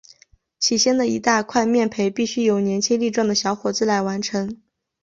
起先的一大块面培必须由年轻力壮的小伙子来完成。